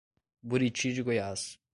Buriti de Goiás